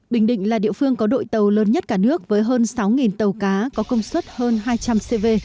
bình định là địa phương có đội tàu lớn nhất cả nước với hơn sáu tàu cá có công suất hơn hai trăm linh cv